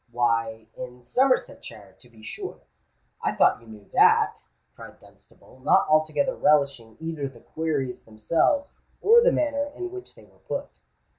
"Why—in Somersetshire, to be sure. I thought you knew that," cried Dunstable, not altogether relishing either the queries themselves or the manner in which they were put.